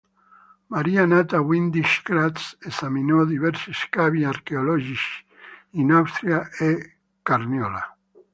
Maria nata Windisch-Grätz esaminò diversi scavi archeologici in Austria e Carniola.